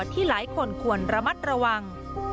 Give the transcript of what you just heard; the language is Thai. ที่หลายคนควรระมัดระวัง